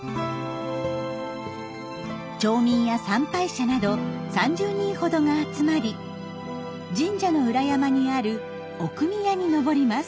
町民や参拝者など３０人ほどが集まり神社の裏山にある奥宮に登ります。